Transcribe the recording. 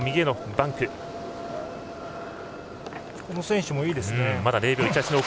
この選手も、いいですね。